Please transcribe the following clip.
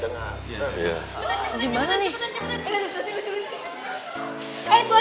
kalau gitu kok tidak perlu dibahas ya